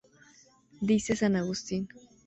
Dice San Agustín